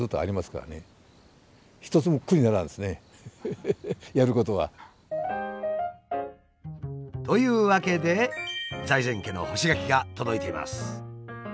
フフフやることは。というわけで財前家の干し柿が届いています。